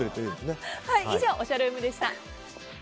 以上、おしゃルームでした。